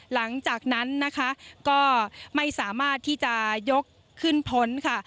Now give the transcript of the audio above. หลังจากนั้นนะคะก็ไม่สามารถที่จะยกขึ้นพ้นค่ะ